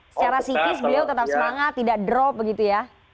secara psikis beliau tetap semangat tidak drop begitu ya